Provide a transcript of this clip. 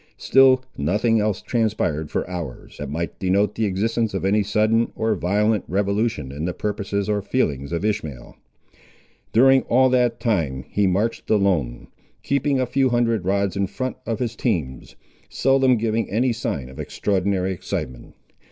Still nothing else transpired for hours, that might denote the existence of any sudden, or violent, revolution in the purposes or feelings of Ishmael. During all that time he marched alone, keeping a few hundred rods in front of his teams, seldom giving any sign of extraordinary excitement.